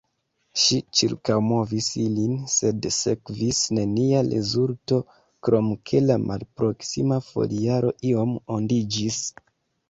Ŝi ĉirkaŭmovis ilin sed sekvis nenia rezulto krom ke la malproksima foliaro iom ondiĝis.